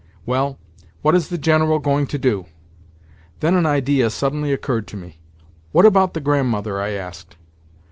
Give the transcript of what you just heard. Well, what is the General going to do?" Then an idea suddenly occurred to me. "What about the Grandmother?" I asked.